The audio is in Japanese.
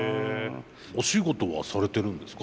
お仕事はされてるんですか？